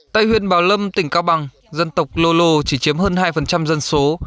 tại huyện bảo lâm tỉnh cao bằng dân tộc lô lô chỉ chiếm hơn hai dân số